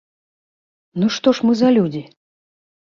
Ну, што ж мы за людзі?!